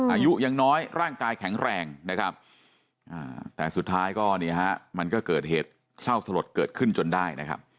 อายุยังน้อยร่างกายแข็งแรงแต่สุดท้ายมันก็เกิดเหตุเช่าสลดเกิดขึ้นจนได้